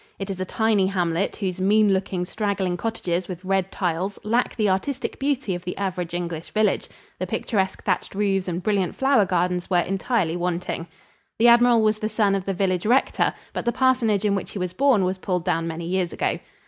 It is a tiny hamlet, whose mean looking, straggling cottages with red tiles lack the artistic beauty of the average English village the picturesque, thatched roofs and brilliant flower gardens were entirely wanting. The admiral was the son of the village rector, but the parsonage in which he was born was pulled down many years ago.